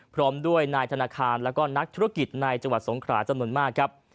พร้อมด้วยนายธนาคารแล้วก็นักธุรกิจในจังหวัดสงขราจำนวนมากครับ